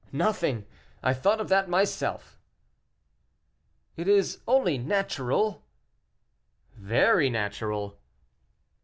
nothing; I thought of that myself." "It is only natural." "Very natural."